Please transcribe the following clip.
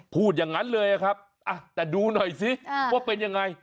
พูดอย่างนั้นเลยครับแต่ดูหน่อยสิว่าเป็นยังไง